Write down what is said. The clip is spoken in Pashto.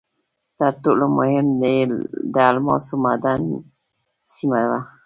تر ټولو مهم یې د الماسو معدن سیمه وه.